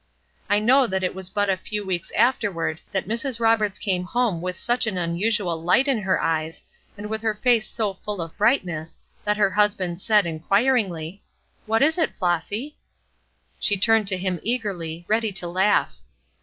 I know that it was but a few weeks afterward that Mrs. Roberts came home with such an unusual light in her eyes, and with her face so full of brightness, that her husband said, inquiringly: "What is it, Flossy?" She turned to him, eagerly, ready to laugh.